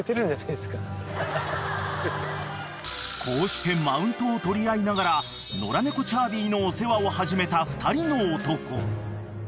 ［こうしてマウントを取り合いながら野良猫ちゃーびーのお世話を始めた２人の男］